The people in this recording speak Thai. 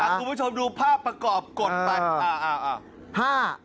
คุณผู้ชมดูภาพประกอบกดไป